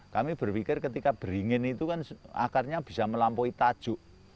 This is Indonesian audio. kami berpikir ketika beringin itu kan akarnya bisa melampaui tajuk